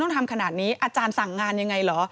ทำขนาดนี้อาจารย์สั่งงานยังไงเหรอ